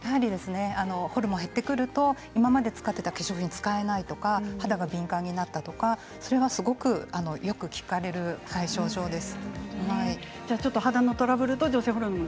ホルモンが減ってくると今まで使っていた化粧品が使えないとか肌が敏感になるとかそれはよく聞かれます。